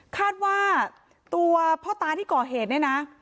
คาดว่าตัวพ่อตาที่ก่อเหตุเนี่ยนะ